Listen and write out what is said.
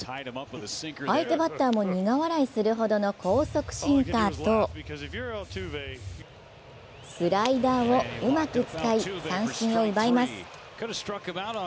相手バッターも苦笑いするほどの高速シンカーとスライダーをうまく使い三振を奪います。